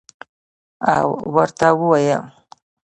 او ورته ووېل